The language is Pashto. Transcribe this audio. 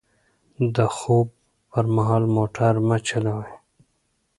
د خوب پر مهال موټر مه چلوئ.